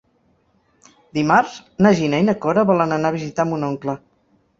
Dimarts na Gina i na Cora volen anar a visitar mon oncle.